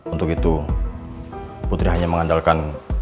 untuk itu putri hanya mengandalkan